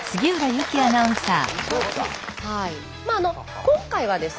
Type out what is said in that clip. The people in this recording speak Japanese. まあ今回はですね